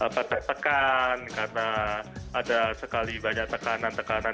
pada tekan karena ada sekali banyak tekanan tekanan